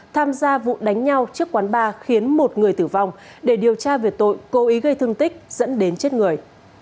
tham gia vụ đánh nhau trước quán ba khiến một người tử vong để điều tra về tội cố ý gây thương tích dẫn đến chết người